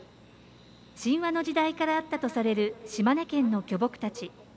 神話の時代からあったとされる島根県の巨木たち。